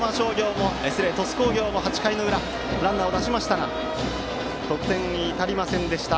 鳥栖工業も、８回の裏ランナーを出しましたが得点に至りませんでした。